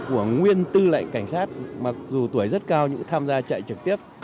của nguyên tư lệnh cảnh sát mặc dù tuổi rất cao nhưng cũng tham gia chạy trực tiếp